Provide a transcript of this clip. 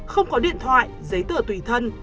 không có điện thoại giấy tửa tùy thân